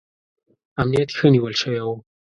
امنیت ښه نیول شوی و.